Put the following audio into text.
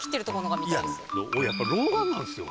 俺やっぱ老眼なんですよ。